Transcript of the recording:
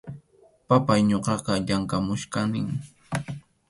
Papáy, ñuqaqa llamkʼamuchkanim.